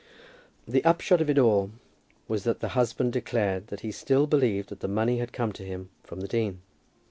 The upshot of it all was that the husband declared that he still believed that the money had come to him from the dean.